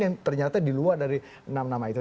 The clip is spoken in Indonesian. yang ternyata diluar dari enam nama itu